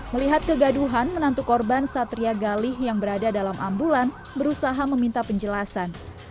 melihat kegaduhan menantu korban satria galih yang berada dalam ambulan berusaha meminta penjelasan